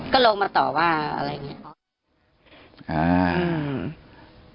ก็ลงมาต่อว่าอะไรอย่างนี้